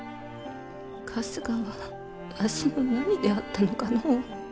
春日はわしの何であったのかの。